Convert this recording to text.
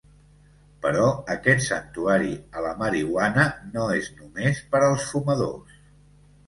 Però aquest santuari a la marihuana no és només per als fumadors.